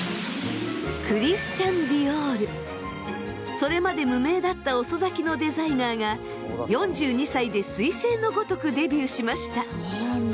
それまで無名だった遅咲きのデザイナーが４２歳ですい星のごとくデビューしました。